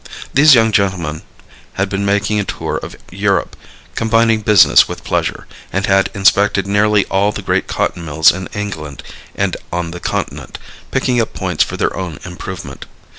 These young gentlemen had been making a tour of Europe, combining business with pleasure, and had inspected nearly all the great cotton mills in England and on the continent, picking up points for their own improvement.